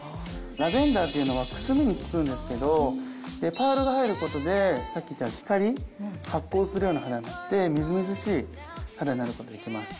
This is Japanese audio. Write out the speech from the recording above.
ラベンダーっていうのはくすみに効くんですけどパールが入る事でさっき言った光発光するような肌になってみずみずしい肌になる事ができます。